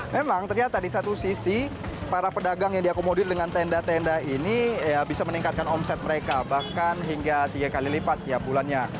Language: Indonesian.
memang ternyata di satu sisi para pedagang yang diakomodir dengan tenda tenda ini bisa meningkatkan omset mereka bahkan hingga tiga kali lipat tiap bulannya